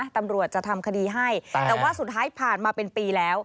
ตำรวจจะทำคดีให้แต่ว่าสุดท้ายผ่านมาเป็นปีแล้ว